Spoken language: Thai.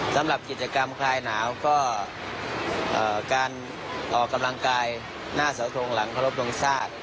สำหรับกิจกรรมคลายหนาวก็การออกกำลังกายหน้าเสาทงหลังเคารพลงทราบ